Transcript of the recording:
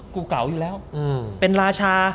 เก่าอยู่แล้วเป็นราชา